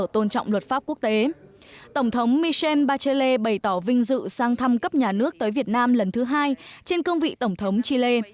tổng thống michel bachelle bày tỏ vinh dự sang thăm cấp nhà nước tới việt nam lần thứ hai trên cương vị tổng thống chile